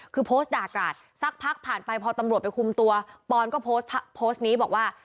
คือโพสต์ด่ากราศสักพักผ่านไปพอตำรวจไปคุมตัวปอนก็โพสต์โพสต์นี้บอกว่า